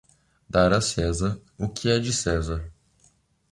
Dar a César o que é de César